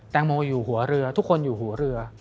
แตงโมอยู่หัวเรือทุกคนอยู่หัวเรือ